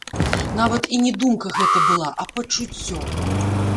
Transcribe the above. Нават і не думка гэта была, а пачуццё.